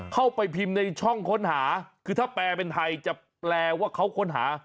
เข้าไปพิมพ์ในช่องค้นหาคือถ้าแปลเป็นไทยจะแปลว่าเขาค้นหา